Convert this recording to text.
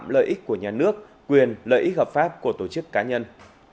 lợi ích của nhà nước quyền lợi ích hợp pháp của tổ chức cá nhân